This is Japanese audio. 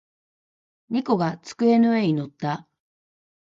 猫が机の上に乗った。